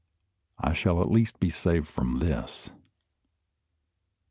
I shall at least be saved from this!"